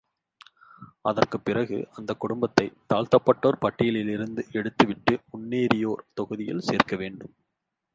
அதற்குப் பிறகு அந்தக் குடும்பத்தைத் தாழ்த்தப்பட்டோர் பட்டியலிலிருந்து எடுத்துவிட்டு முன்னேறியோர் தொகுதியில் சேர்க்க வேண்டும்.